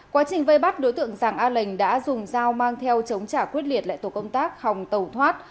quá trình vây bắt đối tượng giàng a lệnh đã dùng dao mang theo chống trả quyết liệt lại tổ công tác hồng tẩu thoát